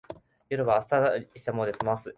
夜はあっさりしたもので済ます